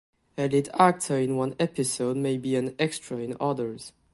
A lead actor in one episode may be an extra in others.